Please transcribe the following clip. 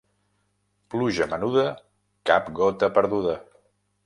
Pluja menuda, cap gota perduda.